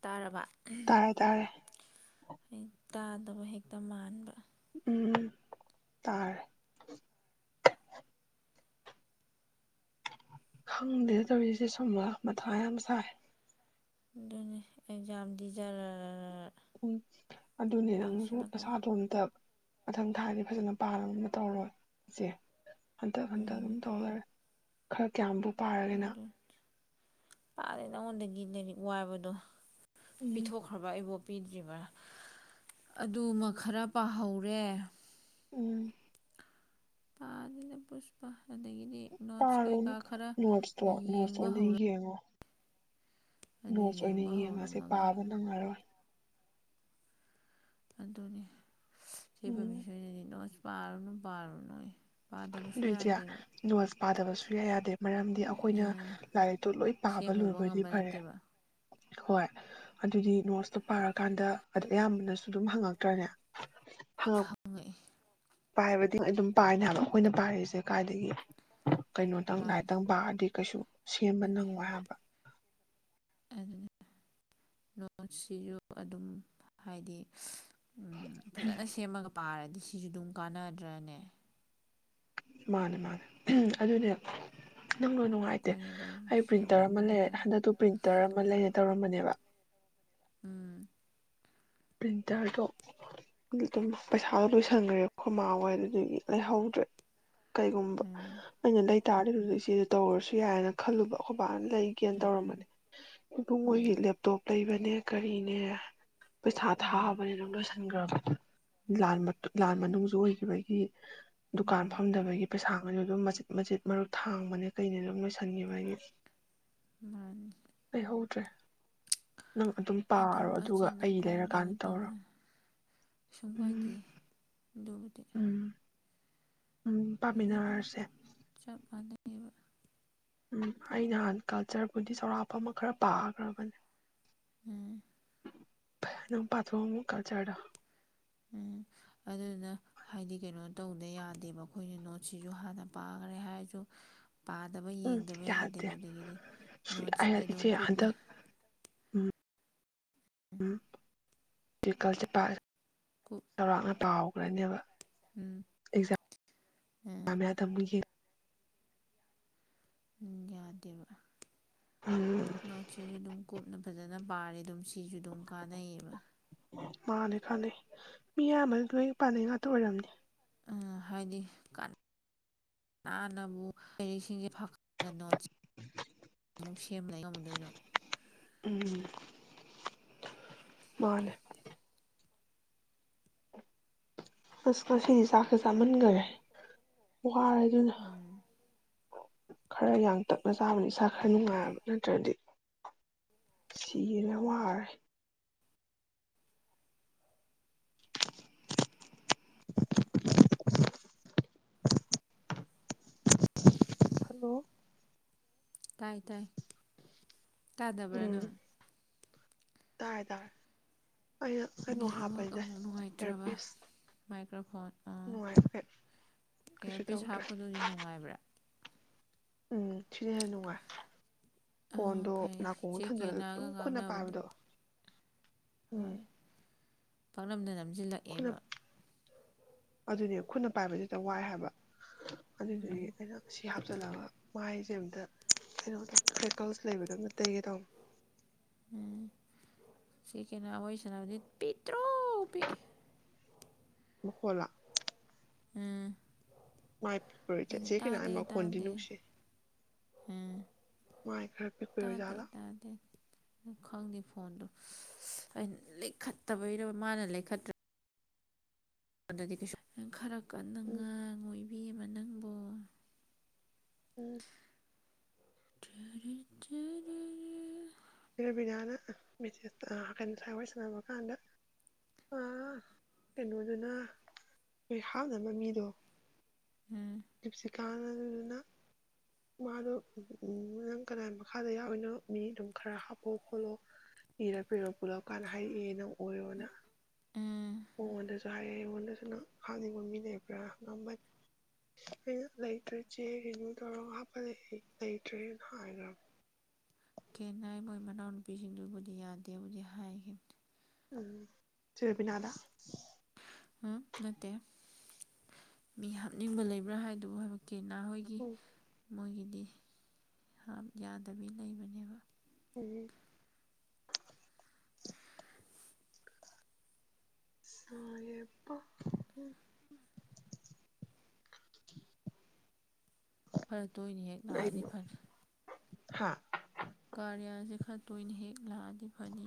ꯇꯥꯔꯕ ꯇꯥꯔꯦ ꯇꯥꯔꯦ ꯑꯩ ꯇꯥꯗꯕ ꯍꯦꯛꯇ ꯃꯥꯟꯕ ꯎꯝ ꯎꯝ ꯇꯔꯦ ꯈꯪꯗꯦ ꯇꯧꯔꯤꯁꯦ ꯁꯨꯝꯕꯂ ꯃꯊꯥ ꯌꯥꯝ ꯁꯥꯏ ꯑꯗꯨꯅꯤ ꯑꯦꯛꯖꯥꯝꯗꯤ ꯖꯔꯔꯔ ꯎꯝ ꯑꯗꯨꯅꯦ ꯅꯪꯁꯨ ꯅꯁꯥꯗꯣꯝꯇ ꯃꯊꯪ ꯊꯥꯗꯤ ꯐꯖꯅ ꯄꯥ [unintelligible] ꯇꯧꯔꯣ ꯏꯆꯦ ꯍꯟꯗꯛ ꯍꯟꯗꯛ ꯑꯗꯨꯝ ꯇꯧꯂꯩꯔꯦ ꯈꯔ ꯀꯌꯥꯝꯕꯨ ꯄꯥꯔꯒꯦ ꯅꯪ ꯎꯝ ꯇꯔꯦ ꯅꯪꯉꯣꯟꯗꯒꯤ ꯂꯥꯏꯔꯤꯛ ꯋꯥꯕꯗꯣ ꯎꯝ ꯄꯤꯊꯣꯛꯈ꯭ꯔꯕ ꯑꯩꯕꯣ ꯄꯤꯗ꯭ꯔꯤꯕ꯭ꯔꯥ ꯑꯗꯨꯃ ꯈꯔ ꯄꯥꯍꯧꯔꯦ ꯎꯝ ꯄꯥꯗꯦꯗ ꯄꯨꯁꯄꯥ ꯇꯥꯔꯣꯅ ꯅꯣꯠꯁꯇꯣ ꯅꯣꯠꯁꯇꯣ ꯌꯦꯡꯕ ꯑꯣꯏꯅ ꯍꯧꯔ ꯌꯦꯡꯉꯣ ꯑꯗꯨ ꯅꯣꯠꯁ ꯑꯣꯏꯅ ꯌꯦꯡꯕ ꯌꯦꯡꯉꯁꯦ ꯍꯧꯔꯝꯃꯒ ꯄꯥꯕ ꯅꯪꯉꯔꯣꯏ ꯑꯗꯨꯅꯤ ꯎꯝ [unintelligible] ꯄꯥꯔꯨꯅꯣ ꯄꯔꯨꯅꯣꯌꯦ ꯗꯤꯌꯥ ꯅꯣꯠꯁ ꯄꯥꯗꯕꯁꯨ ꯌꯥꯗꯦꯕ ꯃꯔꯝꯗꯤ ꯑꯩꯈꯣꯏꯅ ꯂꯥꯏꯔꯤꯛꯇꯣ ꯂꯣꯏ ꯄꯥꯕ ꯁꯦꯝꯃꯨꯕ ꯂꯣꯏꯕꯗꯤ ꯉꯝꯕ ꯐꯔꯦ ꯅꯠꯇꯦꯕ ꯍꯣꯏ ꯑꯗꯨꯗꯤ ꯅꯣꯠꯁꯇꯣ ꯄꯥꯔꯀꯥꯟꯗ ꯑꯌꯥꯝꯕꯅꯁꯨ ꯑꯗꯨꯝ ꯍꯪꯉꯛꯇ꯭ꯔꯅꯦ ꯊ ꯐꯪꯉꯛꯏ ꯄꯥꯏꯕꯗꯤ ꯑꯗꯨꯝ ꯄꯥꯏꯅꯦ ꯍꯥꯏꯕ ꯑꯩꯈꯣꯏꯅ ꯄꯥꯏꯔꯤꯁꯦ ꯀꯥꯏꯗꯒꯤ ꯀꯩꯅꯣꯇꯪ ꯃꯥꯅ ꯂꯥꯏꯔꯤꯛꯇꯪ ꯄꯥꯔꯗꯤ ꯀꯩꯁꯨ ꯁꯦꯝꯕ ꯅꯪꯉꯣꯏ ꯍꯥꯏꯕ ꯑꯗꯨꯅ ꯅꯣꯠꯁꯤꯁꯨ ꯑꯗꯨꯝ ꯍꯥꯏꯗꯤ ꯎꯝ ꯐꯖꯅ ꯁꯦꯝꯃꯒ ꯄꯥꯔꯗꯤ ꯁꯤꯁꯨ ꯑꯗꯨꯝ ꯀꯥꯟꯅꯗ꯭ꯔꯅꯦ ꯃꯥꯅꯦ ꯃꯥꯅꯦ ꯑꯗꯨꯅꯦ ꯅꯪꯅ ꯅꯨꯡꯉꯥꯏꯇꯦ ꯑꯩꯈꯣꯏꯅ ꯂꯣꯏ ꯑꯩ ꯁꯦꯝ ꯄ꯭ꯔꯤꯟꯇꯔ ꯑꯃ ꯉꯝꯗꯕ ꯂꯩꯔꯦ ꯃꯥꯜꯂꯦ ꯍꯟꯗꯛꯇꯨ ꯄ꯭ꯔꯤꯟꯇꯔ ꯑꯃ ꯂꯩꯅ ꯇꯧꯔꯝꯕꯅꯦꯕ ꯎꯝ ꯄ꯭ꯔꯤꯟꯇꯔꯗꯣ ꯑꯗꯨꯝ ꯄꯩꯁꯥꯗꯣ ꯂꯣꯏꯁꯟꯈ꯭ꯔꯦ ꯈꯣꯏꯃꯥꯍꯣꯏ ꯑꯗꯨꯗꯒꯤ ꯂꯩꯍꯧꯗ꯭ꯔꯦ ꯀꯩꯒꯨꯝꯕ ꯎꯝ ꯑꯩꯅ ꯇꯥꯔꯗꯤ ꯑꯗꯨꯗ ꯏꯆꯦꯗ ꯇꯧꯔꯁꯨ ꯌꯥꯏꯅ ꯈꯜꯂꯨꯕ ꯑꯩꯣꯏ ꯂꯩꯒꯦꯅ ꯎꯝ ꯇꯧꯔꯝꯕꯅꯦ ꯑꯗꯨ ꯃꯣꯏꯒꯤ ꯎꯝ ꯂꯦꯞꯇꯣꯞ ꯂꯩꯕꯅꯤ ꯅꯦ ꯀꯔꯤꯅꯦ ꯄꯩꯁꯥ ꯎꯝ ꯊꯥꯕꯅꯤ ꯑꯗꯨꯝ ꯂꯣꯏꯁ ꯁꯤꯡꯒꯥ ꯎꯝ ꯎꯝ ꯂꯥꯟ ꯃꯅꯨꯡ ꯑꯣꯏꯈꯤꯕꯒꯤ ꯗꯨꯀꯥꯟ ꯎꯝ ꯐꯝꯗꯕꯒꯤ ꯄꯩꯁꯥ ꯑꯗꯨ ꯑꯗꯨꯝ ꯃꯆꯤꯠ ꯃꯆꯤꯠ ꯃꯔꯨꯞ ꯊꯥꯡꯕꯅꯦ ꯀꯩꯅꯦ ꯑꯗꯨꯝ ꯂꯣꯏꯁꯟꯈꯤꯕꯒꯤ ꯍꯥꯏꯗꯤ ꯃꯥꯅꯦ ꯇꯔ꯭ꯦ ꯅꯪ ꯑꯗꯨꯝ ꯄꯥꯔꯣ ꯑꯗꯨꯒ ꯀꯣ ꯀꯩꯅꯣ ꯂꯩꯔꯀꯥꯟꯗ ꯇꯧ ꯇꯧꯔꯣ ꯁꯨꯝ ꯀꯥꯏꯗ ꯎꯝ ꯑꯗꯨꯕꯨꯗꯤ ꯎꯝ ꯎꯝ ꯑꯩꯒꯤꯗꯝ ꯄꯥꯃꯤꯟꯅꯔꯁꯦ ꯆꯞꯀꯥꯟꯗꯕ ꯎꯝ ꯑꯩ ꯅꯍꯥꯟ ꯀꯜꯆꯔꯕꯨꯗꯤ ꯆꯥꯎꯧꯔꯥꯛꯄ ꯑꯃ ꯈꯔ ꯄꯥꯈ꯭ꯔꯕꯅꯦ ꯎꯝ ꯅꯪ ꯄꯥꯊꯣꯛ ꯑꯣ ꯑꯃꯨꯛ ꯑꯟꯁ꯭ꯔꯗꯣ ꯎꯝ ꯑꯗꯨꯅ ꯍꯥꯏꯗꯤ ꯀꯩꯅꯣ ꯇꯧꯗ ꯌꯥꯗꯦꯕ ꯑꯩꯈꯣꯏꯅꯣꯠ ꯁꯤꯁꯨ ꯍꯥꯟꯅ ꯄꯥꯒꯔꯦ ꯍꯥꯏꯖꯨ ꯄꯥꯗꯕ ꯎꯝ ꯌꯦꯡꯗꯕ ꯌꯥꯗꯦ ꯌꯥꯗꯦꯕ ꯑꯗꯒꯤꯗꯤ ꯅꯣꯠꯁꯦ ꯁꯨꯡꯌꯥ ꯑꯗꯨꯝ ꯏꯆꯦ ꯀꯨꯞꯅ ꯍꯟꯗꯛ ꯎꯝ [unintelligible] ꯇꯤꯀꯜꯁꯨ ꯄꯔ ꯀꯨꯞ ꯆꯥꯎꯔꯥꯛꯅ ꯄꯥꯎ ꯕꯅꯦꯕ ꯎꯝ ꯑꯦꯛꯖꯥꯝ ꯖꯝ ꯎꯝ ꯃꯌꯥꯗꯃꯨꯛ ꯌꯦꯡ ꯎꯝ ꯌꯥꯗꯦꯕ ꯎꯝ ꯅꯣꯠꯖꯤꯗꯤ ꯗꯨꯝ ꯀꯨꯞꯅ ꯐꯖꯅ ꯄꯥꯔꯦ ꯑꯗꯨꯝ ꯁꯤꯁꯨ ꯑꯗꯨꯝ ꯀꯥꯟꯅꯩꯌꯦꯕ ꯃꯥꯅꯦ ꯀꯅꯩ ꯃꯤ ꯑꯌꯥꯝꯕ ꯂꯣꯏ ꯄꯥꯅꯩ ꯉꯥꯛꯇ ꯑꯣꯏꯔꯝꯅꯤ ꯎꯝꯍꯥꯏꯗꯤ ꯀꯅꯥꯅꯕꯨ ꯂꯥꯏꯔꯤꯛꯁꯤꯡꯁꯦ ꯐꯥꯛ ꯇꯣꯠ ꯑꯃꯨꯛ ꯅꯣꯠꯁ ꯑꯃꯨꯛ ꯁꯦꯝ ꯂꯩ ꯉꯝꯗꯣꯏꯅꯣ ꯎꯝ ꯃꯥꯅꯦ ꯑꯁ ꯉꯥꯁꯤꯗꯤ ꯆꯛꯁꯦ ꯆꯃꯟꯒꯥꯔꯦ ꯋꯥꯔꯦ ꯑꯗꯨꯅ ꯎꯝ ꯈꯔ ꯌꯥꯡꯇꯛꯅ ꯆꯥꯕꯅ ꯏꯁꯥ ꯈꯔ ꯅꯨꯡꯉꯥꯏꯕ ꯅꯠꯇ꯭ꯔꯗꯤ ꯁꯤꯔꯦ ꯋꯥꯔꯦ ꯍꯜꯂꯣ ꯇꯥꯏ ꯇꯥꯏ ꯇꯥꯗꯕ꯭ꯔꯅꯪ ꯇꯔꯦ ꯇꯔꯦ ꯅꯦꯠꯋꯥꯛ ꯑꯃꯨꯛ ꯅꯨꯡꯉꯥꯏꯇ꯭ꯔꯕ ꯏꯌꯥꯔꯄꯤꯁ ꯃꯥꯏꯀ꯭ꯔꯥꯐꯣꯟ ꯑꯥ ꯅꯨꯡꯉꯥꯏꯕ ꯀꯩ ꯀꯩꯁꯨ ꯏꯌꯥꯔꯄꯤꯁ ꯇꯧꯗ꯭ꯔꯦ ꯍꯥꯞꯄꯗꯨꯗꯤ ꯅꯨꯡꯉꯥꯏꯕ꯭ꯔꯥ ꯎꯝ ꯁꯤꯅ ꯍꯦꯟꯅ ꯅꯨꯡꯉꯥꯏ ꯑꯥ ꯐꯣꯟꯗꯣ ꯐꯩ ꯅꯥꯀꯣꯡꯗ ꯆꯦ ꯊꯝꯖꯤꯜꯂ ꯀꯦꯅꯥꯒ ꯑꯗꯨꯝ ꯈꯨꯠꯅ ꯉꯥꯡꯅꯕꯗꯤ ꯄꯥꯏꯕꯗꯣ ꯎꯝ ꯄꯛꯅꯝꯗ ꯅꯝ ꯈꯨꯠꯅ ꯖꯤꯜꯂꯛꯑꯦꯕ ꯑꯗꯨꯅꯦ ꯈꯨꯠꯅ ꯄꯥꯏꯕꯗꯤ ꯍꯦꯛꯇ ꯋꯥꯏ ꯍꯥꯏꯕ ꯎꯝ ꯑꯗꯨꯏꯗꯨꯒꯤ ꯑꯩꯅ ꯁꯤ ꯍꯥꯞꯆꯤꯜꯂꯒ ꯃꯥꯏꯖꯦ ꯑꯝꯇ ꯀꯩꯅꯣ ꯐꯦꯀꯜꯁ ꯂꯩꯕꯩꯗꯣ ꯑꯝꯇ ꯇꯩꯒꯦ ꯇꯧꯕꯅꯦ ꯎꯝ ꯆꯦ ꯀꯦꯅ ꯋꯥꯔꯤ ꯁꯅꯕꯗꯤ ꯄꯤꯛꯇꯔꯨ ꯄꯤꯛꯏ ꯃꯈꯣꯟꯂꯣ ꯑꯝ ꯃꯥꯏ ꯄꯤꯛꯄꯔꯣ ꯆꯦ ꯀꯩꯅ ꯍꯥꯏ ꯃꯈꯣꯟꯗꯤ ꯇꯥꯗꯦ ꯅꯨꯡꯁꯤ ꯎꯝ ꯃꯥꯏ ꯈꯔ ꯄꯤꯛꯄꯩ ꯇꯥꯗꯦ ꯑꯣꯏꯔꯖꯥꯠꯂꯣ ꯇꯥꯗꯦ ꯈꯪꯗꯦ ꯐꯣꯟꯗꯣ ꯑꯩꯅ ꯂꯩꯈꯠꯇꯕꯩꯔꯕ ꯃꯥꯅ ꯂꯩꯈꯠꯇ꯭ꯔꯦ ꯑꯗꯥꯗꯤ ꯀꯩꯁꯨ ꯈꯔ ꯎꯝ ꯀꯟꯅꯉꯥꯡꯉꯣꯏ ꯕꯤꯃ ꯅꯪꯕꯣ! ꯎꯝ꯫ ꯆꯔ- ꯆꯔ꯫ ꯔꯕꯤꯅꯥꯅ ꯃꯦꯁꯦꯖ ꯇ ꯉꯥꯁꯥꯏ ꯋꯥꯔꯤ ꯁꯥꯅꯕ ꯀꯥꯟꯗ ꯑꯥ ꯀꯩꯅꯣꯗꯨꯅ ꯀꯔꯤ ꯍꯥꯞꯅꯕ ꯃꯤꯗꯣ ꯎꯝ꯫ [unintelligible] ꯃꯥꯗꯣ ꯅꯪ ꯀꯅꯥꯏ ꯃꯈꯥꯗ ꯌꯥꯎꯔꯤꯅꯣ ꯃꯤ ꯑꯗꯨꯝ ꯈꯔ ꯍꯥꯞꯄꯣꯑꯣ ꯈꯣꯠꯂꯣ ꯏꯔ ꯄꯤꯔ ꯄꯨꯜꯂꯛ ꯀꯥꯟꯗ ꯍꯥꯏꯔꯛꯑꯦ ꯅꯪ ꯑꯣꯏꯔꯣꯅ꯫ ꯎꯝ ꯍꯥꯏꯔꯦ ꯑꯩꯉꯣꯟꯗꯁꯨ ꯅ ꯍꯥꯞꯅꯤꯡꯕ ꯃꯤ ꯂꯩꯕ꯭ꯔꯥꯅ ꯍꯪꯉꯝꯕꯅꯤ, ꯑꯩꯅ ꯂꯩꯇ꯭ꯔꯦ ꯆꯦ ꯔꯤꯅꯨ ꯇꯧꯔꯒ ꯍꯥꯞꯄꯂꯛꯏ ꯂꯩꯇ꯭ꯔꯦꯅ ꯍꯥꯏꯈ꯭ꯔꯕ꯫ ꯀꯦꯅ ꯃꯣꯏ ꯃꯅꯥꯎꯅꯨꯄꯤꯁꯤꯡꯗꯨꯕꯨꯗꯤ ꯌꯥꯗꯦꯕꯨꯗꯤ ꯍꯥꯏꯈꯤꯕꯅꯦ꯫ ꯔꯦꯕꯤꯅꯥ ꯗ? ꯎꯝ ꯅꯠꯇꯦ ꯃꯤ ꯍꯥꯞꯅꯤꯡꯕ ꯂꯩꯕ꯭ꯔꯥ ꯍꯥꯏꯗꯨꯕꯨ ꯍꯥꯏꯕ꯫ ꯅꯥ ꯑꯣꯏꯒꯤ꯫ ꯎꯝ ꯃꯣꯏꯒꯤꯗꯤ ꯍꯞ ꯌꯥꯗꯕꯤ ꯂꯩꯕꯅꯦꯕ꯫ ꯎꯝ꯫ [unintelligible] ꯈꯔ ꯇꯣꯏꯅ ꯍꯦꯛ ꯂꯥꯛꯑꯗꯤ ꯐꯅꯤ꯫ ꯍꯥꯥ? ꯀꯥꯔꯤꯌꯥꯁꯦ ꯈꯔ ꯇꯣꯏꯅ ꯍꯦꯛ ꯂꯥꯛꯑꯗꯤ ꯐꯅꯤ꯫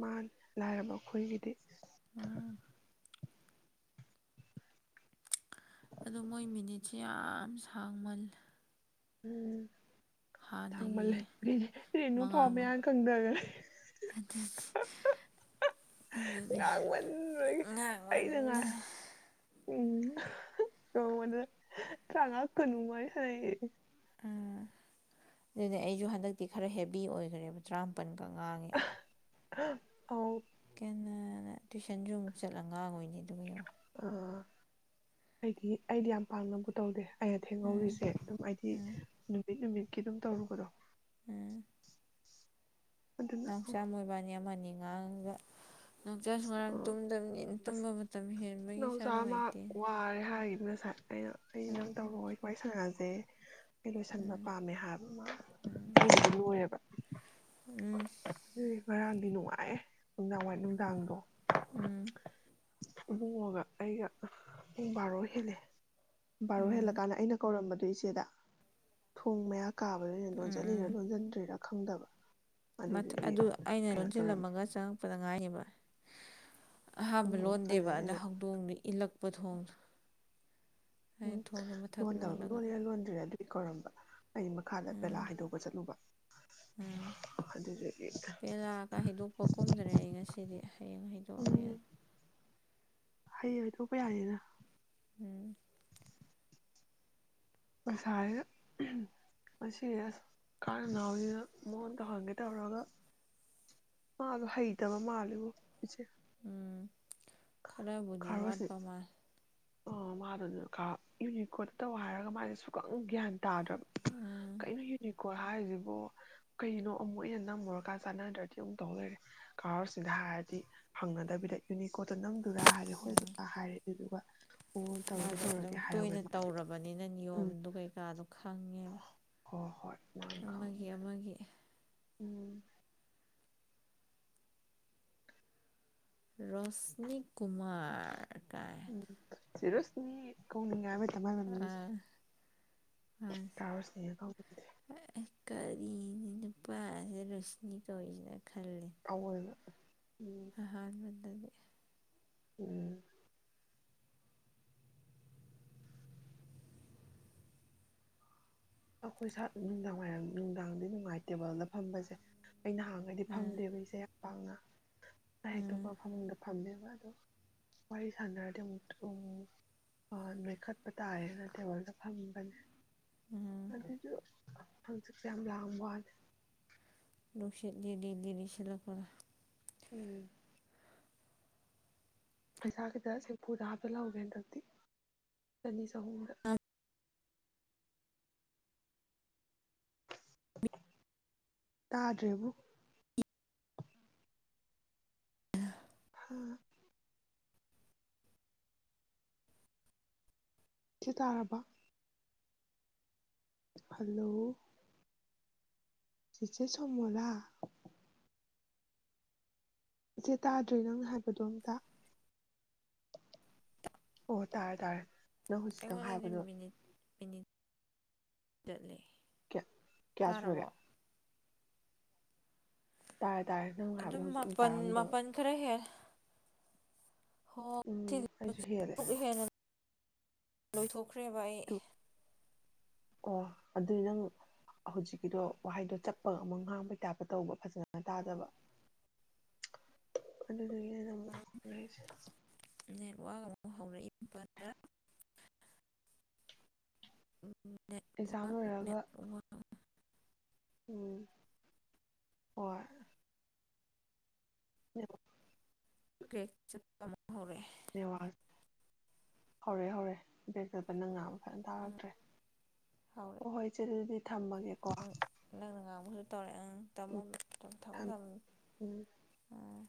ꯃꯥ ꯂꯥꯏꯔꯕ ꯑꯩꯈꯣꯏꯒꯤꯗꯤ ꯑꯗꯨ ꯃꯣꯏ ꯃꯤꯅꯤꯠꯁꯦ ꯌꯥꯝ ꯁꯥꯡꯃꯜꯂꯦ꯫ ꯎꯝ꯫ ꯁꯥꯡꯃꯜ ꯍꯥꯟꯅꯒꯤ ꯂꯩ ꯔꯦꯅꯨ ꯃꯉꯥ ꯐꯥꯎ ꯃꯉꯥ ꯃꯌꯥꯝ ꯀꯪꯗꯒꯔꯦ! ꯑꯗꯨꯅꯤ ꯉꯥꯡꯃꯟꯕꯒꯤ ꯑꯩꯅ ꯉꯥꯏ ꯎꯝ ꯅꯣꯡꯃꯗ ꯇꯔꯥꯃꯉꯥ - ꯀꯨꯟ ꯗꯨꯃꯥꯏ ꯁꯥꯅꯩꯌꯦ꯫ ꯎꯝ ꯑꯗꯨꯗꯤ ꯑꯩꯁꯨ ꯍꯟꯗꯛꯇꯤ ꯈꯔ ꯍꯦꯕꯤ ꯑꯣꯏꯈ꯭ꯔꯦꯕ ꯇꯔꯥꯃꯥꯄꯟ ꯉꯥꯡꯉꯤ꯫ [unintelligible] ꯀꯦꯅꯥꯅ ꯇꯨꯏꯁꯟꯒꯤ ꯑꯃꯨꯛ ꯆꯠꯂꯒ ꯉꯥꯡꯉꯏꯅꯦ ꯑꯗꯨꯒ ꯌꯦꯡꯉꯣ꯫ ꯑ ꯑꯩꯗꯤ ꯑꯩꯗꯤ ꯌꯥꯝ ꯄꯛꯅꯕꯨ ꯇꯧꯗꯦ꯫ ꯑꯩꯅ ꯎꯝ ꯊꯦꯡꯍꯧꯔꯤꯁꯦ ꯑꯗꯨꯝ ꯑꯩꯗꯤ ꯅꯨꯃꯤꯠ- ꯅꯨꯃꯤꯠ ꯀꯤ ꯑꯗꯨꯝ ꯇꯧꯔꯨꯕꯗꯣ꯫ ꯑꯝ꯫ ꯑꯗꯨꯅ ꯑꯁ ꯅꯥꯎꯆꯥ ꯃꯣꯏꯕꯥꯅꯤ ꯑꯃꯅꯤ ꯉꯥꯡꯉꯒ ꯅꯥꯎꯆꯥꯁꯨ ꯉꯔꯥꯡ ꯇꯨꯝꯗꯕꯅꯤ ꯇꯨꯝꯕ ꯃꯇꯝ ꯍꯦꯟꯕꯒꯤ ꯃꯁꯥ ꯅꯨꯡꯉꯥꯏꯇꯦ꯫ ꯉꯥꯁꯥꯏ꯫ ꯑꯩꯅ - ꯑꯩꯅ ꯅꯪ ꯎꯝ ꯇꯧꯔꯛꯑꯣ ꯋꯥꯔꯤ ꯁꯥꯟꯅꯖꯦ꯫ ꯑꯩ ꯂꯣꯏꯁꯟꯕ ꯎꯝ ꯄꯥꯝꯃꯦ ꯍꯥꯏꯕ ꯃꯥ ꯑꯩꯒꯤꯗꯤ ꯂꯣꯏꯔꯦꯕ꯫ ꯎꯝ ꯑꯗꯨꯗꯤ ꯉꯔꯥꯡꯗꯤ ꯅꯨꯡꯉꯥꯑꯦ ꯅꯨꯡꯗꯥꯡ ꯋꯥꯏ ꯅꯨꯡ ꯆꯥꯡꯗꯣ ꯎꯝ ꯏꯨꯕꯨꯡꯉꫭꯒ ꯑꯩꯒ ꯄꯨꯡ ꯕꯥꯔꯣ ꯍꯦꯂꯦ ꯕꯥꯔꯣ ꯎꯝ ꯍꯦꯜꯂꯀꯥꯟꯗ ꯑꯩꯅ ꯀꯧꯔꯝꯕꯗꯣ ꯗꯨ ꯏꯆꯦꯗ ꯊꯣꯡ ꯃꯌꯥ ꯀꯥꯕꯗ ꯑꯩꯅ ꯎꯝ ꯎꯝ ꯂꫭꯟꯖꯜꯂꯤꯔꯥ ꯂꯣꯟꯖꯟꯗ꯭ꯔꯤꯔꯥ ꯈꯪꯗꯕ ꯃꯊ ꯑꯗꯨꯗꯨꯒꯤ ꯑꯗꯨ ꯑꯩꯅ ꯀꯩꯅꯣ ꯇꯧꯔꯝꯃꯦ ꯂꯣꯟꯖꯤꯜꯂꯝꯃꯒ ꯆꯪꯉꯛꯄꯗ ꯉꯥꯏꯔꯤꯕ ꯑꯍꯥꯟꯕ ꯎꯝ ꯂꯣꯟꯗꯦꯕ ꯑꯗꯨꯗꯩ ꯑꯗ ꯑꯩꯅ ꯍꯧꯗꯣꯡꯅ ꯏꯜꯂꯛꯄ ꯊꯣꯡꯗꯨ ꯎꯝ ꯂꯣꯟꯗꯕ ꯂꫭꯜꯂꯤꯔꯥ ꯂꫭꯟꯗ꯭ꯔꯤꯔꯥ ꯗꯤ ꯀꯧꯔꯝꯕ ꯑꯩ ꯃꯈꯥꯗ ꯄꯦꯂꯥ ꯍꯩꯗꯣꯛꯄ ꯆꯠꯂꯨꯕ ꯑ ꯑꯗꯨꯗꯨꯒꯤ ꯄꯦꯂꯥꯒ ꯍꯩꯗꯣꯛꯄ ꯀꯨꯝꯗ꯭ꯔꯦ ꯑꯩ ꯉꯁꯤꯗꯤ ꯍꯌꯦꯡ ꯍꯩꯗꯣꯛꯑꯒꯦꯅ ꯍꯌꯦꯡ ꯍꯩꯗꫭꯛꯄ ꯌꯥꯅꯤꯗ ꯎꯝ ꯉꯁꯥꯏꯗ ꯑꯍꯝ ꯉꯁꯤꯁꯦ ꯀꯥꯟꯅ [unintelligible] ꯃꯉꯣꯟ ꯇꯧꯍꯟꯒꯦ ꯇꯧꯔꯒ ꯃꯥꯗꯣ ꯍꯩꯇꯕ ꯃꯥꯜꯂꯤꯕꯣ ꯎꯝ ꯈꯔꯕꯨꯗꯤ ꯋꯥꯠꯄ ꯃꯥꯜ ꯑꯣ ꯃꯥꯗꯨꯅ ꯀ ꯌꯨꯅꯤꯀꯣꯗ ꯇꯧ ꯍꯥꯏꯔꯒ ꯃꯥꯁꯦ ꯁꯨꯛꯈꯪ ꯒ꯭ꯌꯥꯟ ꯇꯥꯗ꯭ꯔꯕ ꯎꯝ ꯀꯩꯅꯣ ꯌꯨꯅꯤꯀꫭ ꯀꫭ ꯍꯥꯏꯔꯤꯖꯤꯕꯨ ꯀꯩꯅꯣ ꯑꯃꯨꯛ ꯑꯩꯅ ꯅꯝꯃꯨꯔꯀꯥꯟ ꯆꯥꯟꯅꯗ꯭ꯔꯗꯤ ꯑꯃꯨꯛ ꯇꯧ ꯂꯩꯔꯦ ꯀꯥ ꯔꫭꯁꯟꯗ ꯍꯥꯏꯔꯗꯤ ꯍꯪꯅꯗꯕꯤꯗ ꯌꯨꯅꯤꯀꫭ ꯀꯣꯠꯇ ꯅꯝꯗꯨꯔꯥ ꯍꯥꯏꯔꯗꯤ ꯍꯣꯏ ꯎꯝ ꯀꯀꯥ ꯍꯥꯏꯔꯦ ꯑꯗꯨꯗꯨꯒ ꯑꯣ ꯇꯧꯔꯒꯦ ꯃꯥꯗꯣ ꯑꯗꯨꯝ ꯇꯧꯔꯒꯦ ꯍꯥꯏꯍꯧꯋꯦ ꯇꯣꯏꯅ ꯃꯥꯗꯤ ꯇꯧꯔꯕꯅꯤꯅ ꯅꯤꯌꯣꯝꯗꯨ ꯀꯩꯀꯥꯗꯣ ꯈꯪꯉꯦꯕ ꯍꫭ ꯍꯣꯏ ꯃꯥꯅ ꯑꯃꯒꯤ ꯈꯪꯉꯦ ꯑꯃꯒꯤ ꯎꯝ ꯔꫭꯁꯅꯤꯀꯨ ꯀꯨꯃꯥꯔ ꯀꯥꯏꯅ ꯆꯦ ꯔꯣꯁꯅꯤ ꯀꯧꯅꯤꯡꯉꯦ ꯍꯥꯏꯕ ꯗ ꯃꯥꯏ ꯃꯃꯤꯡꯖꯦ ꯑꯥ ꯑꯩ ꯀꯥ ꯔꫭꯁꯅꯤꯅ ꯀꯧꯗꯕꯤꯗ ꯀꯔꯤꯅꯤ ꯅꯨꯄꯥꯁꯦ ꯔꫭꯁꯅꯤ ꯀꯧꯔꯤꯁꯤꯅ ꯑꯑꫭꯏꯕ ꯑꯍꯥꯟꯕꯗꯗꯤ ꯎꯝ ꯑꯈꯣꯏ ꯁꯥ ꯅꯨꯡꯗꯥꯡ ꯋꯥꯏꯔꯝ ꯅꯨꯡꯗꯥꯡꯗꯤ ꯅꯨꯡꯉꯥꯏ ꯇꯦꯕꯜꯗ ꯐꯝꯕꯁꯦ ꯑꯩꯅ ꯍꯥꯡꯉꯗꯤ ꯎꯝ ꯐꯝꯗꯦꯕ ꯏꯆꯦ ꯄꯥꯡꯉ ꯇꯥꯏ ꯎꯝ ꯑꯇꯣꯞꯄ ꯐꯃꯨꯡꯗ ꯐꯝꯃꯦꯕꯥ ꯑꯗꯣ ꯋꯥꯔꯤ ꯁꯥꯟꯅꯔꯗꯤ ꯑꯃꯨꯛꯇ ꯅꯣꯏꯈꯠꯄ ꯇꯥꯔꯦꯅ ꯇꯦꯕꯜꯗ ꯐꯝꯕꯅꯦ ꯎꯝ ꯍꯪꯆꯤꯛ ꯌꯥꯝ ꯂꯥꯡꯕꯌ꯭ꯥꯅꯦ ꯅꯨꯜꯁꯤꯠ ꯂꯤꯔꯤ ꯂꯤꯔꯤ ꯁꯤꯠꯂꯛꯄꯅꯦ ꯎꯝ ꯄꯩꯁꯥꯈꯤꯇ ꯁꯦꯝꯐꯨꯗ ꯍꯥꯞꯆꯜꯍꯧꯒꯦ ꯍꯟꯇꯛꯇꯤ ꯆꯅꯤ ꯆꯍꯨꯝꯗ ꯇꯥꯗ꯭ꯔꯦꯕꯨ ꯍꯨꯝ ꯁꯤ ꯇꯥꯔꯕ ꯍꯜꯂꯣ ꯆꯤꯆꯦ ꯁꯣꯃꯣꯂꯥ ꯏꯆꯦ ꯇꯥꯗ꯭ꯔꯦ ꯅꯪꯅ ꯍꯥꯏꯕꯗꯣ ꯑꯝꯇ [inaudible] ꯑꯣ ꯇꯥꯔ ꯇꯥꯔꯦ ꯅꯪ ꯍꯧꯖꯤꯛꯇꯪ ꯑꯩꯉꯣꯟꯗꯗꯤ ꯍꯥꯏꯕꯗꯣ ꯃꯤꯅꯤꯠ ꯃꯤꯅꯤꯠ ꯆꯠꯂꯦ ꯀꯌꯥ ꯀꯌꯥ ꯁꯨꯔꯒꯦ ꯇꯥꯔꯕꯣ ꯇꯥꯔꯦ꯫ ꯇꯥꯔꯦ ꯅꯪ ꯍꯥꯏꯕꯗꯣ ꯑꯗꯨꯝ ꯍꯧꯖꯤꯛ ꯑꯃ ꯃꯄꯟ ꯇꯥꯔꯝꯗꯕ ꯃꯄꯟ ꯈꯔ ꯍꯦꯜ ꯎꯝ ꯑꯩꯁꯨ ꯍꯦꯜꯂꯦ ꯂꯣꯏꯊꯣꯛ ꯈ꯭ꯔꯦꯕ ꯑꯩ ꯑꯗꯨ ꯑꯣ ꯑꯗꯨꯏ ꯅꯪ ꯍꯧꯖꯤꯛꯀꯤꯗꯣ ꯋꯥꯍꯩꯗꯣ ꯆꯞꯄ ꯑꯃꯨꯛ ꯉꯥꯡꯕꯩ ꯇꯥꯞꯄ ꯇꯧꯕ ꯐꯖꯅ ꯇꯥꯗꯕ ꯑꯗꯨ [unintelligible] ꯋꯥ [unintelligible] ꯍꯧꯔꯛꯏ ꯄꯗ꯭ꯔ ꯑꯦꯛꯖꯥꯝ ꯅꯦꯠꯋꯥꯛ ꯂꯣꯏꯔꯒ ꯅꯦꯠꯋꯥꯛ ꯎꯝ ꯑꯣꯔ [unintelligible] ꯀꯔ꯭ꯦꯛ ꯆꯠ [unintelligible] ꯍꯧꯔꯛꯑꯦ ꯅꯦꯠꯋꯥꯔꯛ ꯍꯧꯔꯦ ꯍꯧꯔꯦ [unintelligible] ꯅꯪ ꯉꯥꯡꯕ ꯐꯟ ꯇꯥꯔꯛꯇ꯭ꯔꯦ ꯍꯣ ꯍꯧꯔꯛꯑꯦ ꯍꯣꯏ ꯏꯆꯦ ꯑꯗꯨꯗꯤ ꯊꯝꯃꯒꯦꯀꯣ ꯎꯪ ꯇꯝꯃꯣ ꯎꯝ ꯊꯝꯃꯣ ꯊꯝ ꯊꯝꯃꯣ ꯎꯝ ꯎꯝ